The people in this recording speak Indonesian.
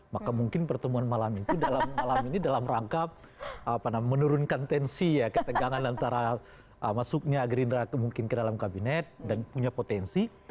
maka mungkin pertemuan malam itu dalam malam ini dalam rangka menurunkan tensi ya ketegangan antara masuknya gerindra mungkin ke dalam kabinet dan punya potensi